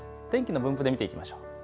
天気の分布で見ていきましょう。